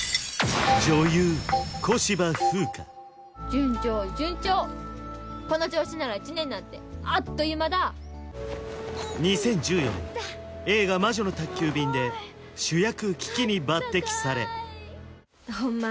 順調順調この調子なら１年なんてあっという間だ２０１４年映画「魔女の宅急便」で主役キキに抜てきされホンマ